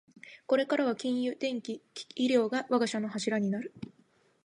これからは金融、電機、医療が我が社の柱になる